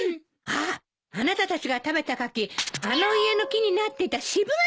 あっあなたたちが食べた柿あの家の木になっていた渋柿だったんだわ。